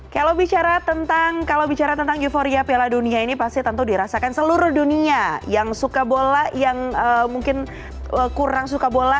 kalau bicara tentang kalau bicara tentang euforia piala dunia ini pasti tentu dirasakan seluruh dunia yang suka bola yang mungkin kurang suka bola